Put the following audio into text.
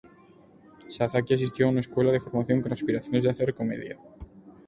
Sakazaki asistió a una escuela de formación con aspiraciones de hacer comedia.